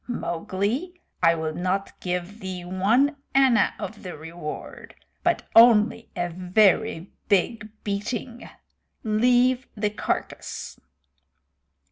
Mowgli, I will not give thee one anna of the reward, but only a very big beating. Leave the carcass!"